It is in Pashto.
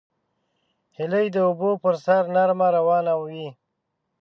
هیلۍ د اوبو پر سر نرمه روانه وي